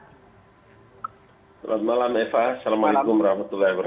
selamat malam eva assalamualaikum wr wb